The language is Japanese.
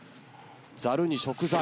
ざるに食材。